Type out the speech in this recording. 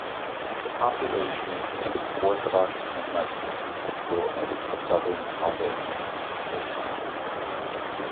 The population is mixed Orthodox and Muslim, typical of southern Albanian cities.